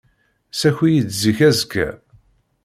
Ssaki-iyi-d zik azekka.